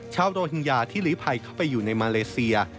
โรฮิงญาที่หลีภัยเข้าไปอยู่ในมาเลเซีย